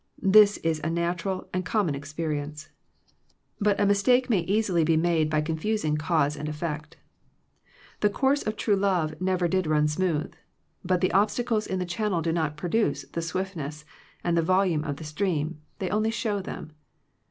This is a natural and common experience. 167 Digitized by LjOOQIC THE RENEWING OF FRIENDSHIP But a mistake may easily be made by confusing cause and effect The course of true love never did run smooth "— but the obstacles in the channel do not produce the swiftness and the volume of the stream ; they only show them.